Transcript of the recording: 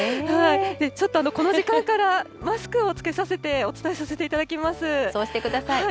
ちょっとこの時間から、マスクを着けさせて、そうしてください。